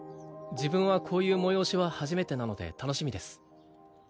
自分はこういう催しは初めてなので楽しみです